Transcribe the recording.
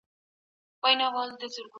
موږ بايد د سياسي غولوني پر وړاندي ويښ اوسو.